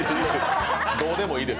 どうでもいいです。